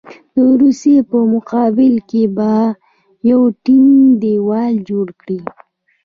د روسیې په مقابل کې به یو ټینګ دېوال جوړ کړي.